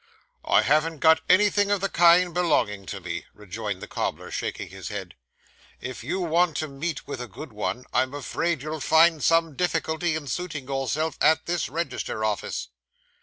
'I haven't got anything of the kind belonging to me,' rejoined the cobbler, shaking his head; 'and if you want to meet with a good one, I'm afraid you'll find some difficulty in suiting yourself at this register office.